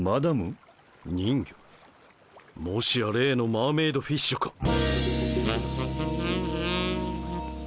もしや例のマーメイドフィッシュか？